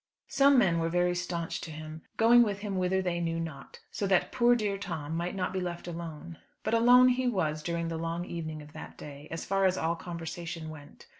Some men were very stanch to him, going with him whither they knew not, so that "poor dear Tom" might not be left alone; but alone he was during the long evening of that day, as far as all conversation went.